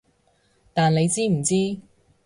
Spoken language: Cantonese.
但你知唔知